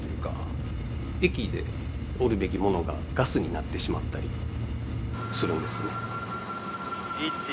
液でおるべきものがガスになってしまったりするんですよね。